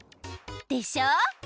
でしょ！